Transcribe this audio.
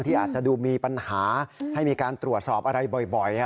อาจจะดูมีปัญหาให้มีการตรวจสอบอะไรบ่อย